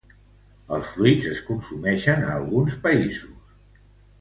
Els fruits es consumixen a alguns països.